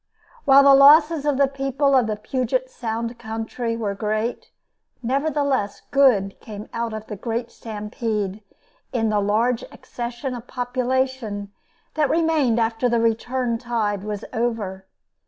While the losses of the people of the Puget Sound country were great, nevertheless good came out of the great stampede in the large accession of population that remained after the return tide was over.